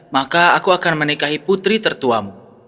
maka aku akan menikahi putri tertuamu